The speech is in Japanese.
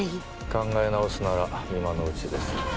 考え直すなら今のうちです。